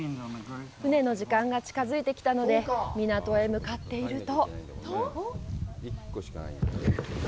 船の時間が近づいてきたので、港へ向かっていると。